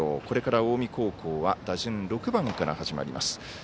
これから近江高校は打順６番から始まります。